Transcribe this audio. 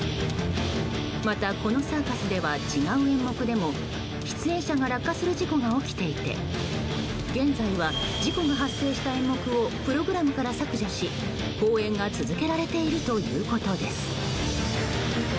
また、このサーカスでは違う演目でも出演者が落下する事故が起きていて現在は、事故が発生した演目をプログラムから削除し公演が続けられているということです。